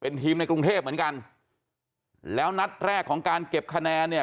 ทีมในกรุงเทพเหมือนกันแล้วนัดแรกของการเก็บคะแนนเนี่ย